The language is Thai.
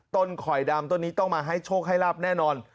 คอยดำต้นนี้ต้องมาให้โชคให้ลาบแน่นอน